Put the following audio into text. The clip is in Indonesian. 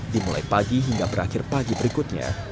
dimulai pagi hingga berakhir pagi berikutnya